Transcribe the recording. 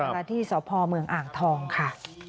มาที่สพเมืองอ่างทองค่ะ